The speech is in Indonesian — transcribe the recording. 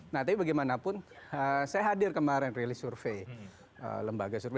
nah tapi bagaimanapun saya hadir kemarin rilis survei lembaga survei